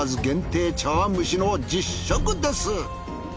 限定茶碗蒸しの実食です。